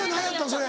それ。